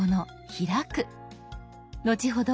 後ほど